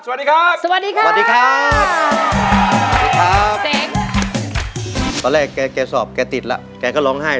สวัสดีครับ